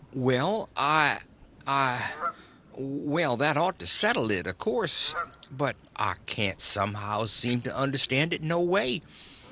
"Well—I—I—well, that ought to settle it, of course; but I can't somehow seem to understand it no way.